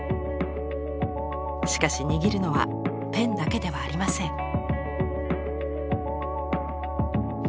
しかし握るのはペンだけではありません。